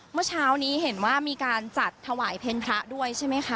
เมื่อเช้านี้เห็นว่ามีการจัดถวายเพลงพระด้วยใช่ไหมคะ